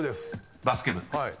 ［バスケ部。